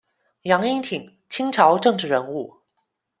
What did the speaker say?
杨荫廷，清朝政治人物。